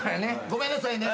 ごめんなさいね。